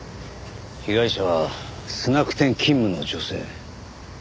被害者はスナック店勤務の女性。